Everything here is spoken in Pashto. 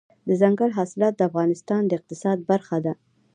دځنګل حاصلات د افغانستان د اقتصاد برخه ده.